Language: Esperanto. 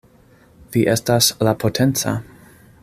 Vi estas la Potenca!